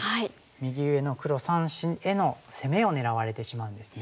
右上の黒３子への攻めを狙われてしまうんですね。